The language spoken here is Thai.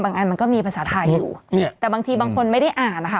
อันมันก็มีภาษาไทยอยู่เนี่ยแต่บางทีบางคนไม่ได้อ่านนะคะ